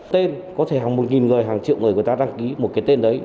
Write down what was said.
tên có thể hàng một nghìn người hàng triệu người người ta đăng ký một cái tên đấy